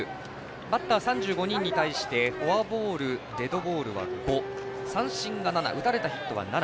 バッター３５人に対してフォアボールデッドボールは５、三振が７打たれたヒットは７。